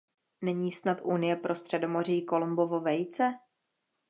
Není snad Unie pro Středomoří Kolumbovo vejce?